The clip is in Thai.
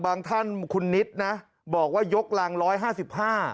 บางท่านคุณนิดนะบอกว่ายกลาง๑๕๕บาท